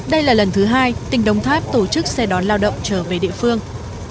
đây là lần thứ hai tỉnh đồng tháp tổ chức xe đón lao động trở về địa phương